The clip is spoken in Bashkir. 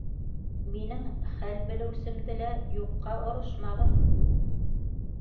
Минең хәл белеүсемде лә юҡҡа орошмағыҙ.